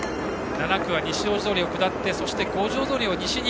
７区は西大路通を下ってそして五条通を西に。